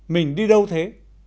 mình đi đâu thế